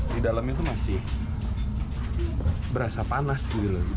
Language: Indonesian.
di dalamnya tuh masih berasa panas gitu loh